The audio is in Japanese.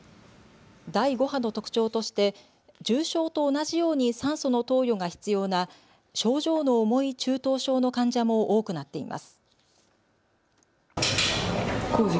第５波の特徴として重症と同じように酸素の投与が必要な症状の重い中等症の患者も多くなっています。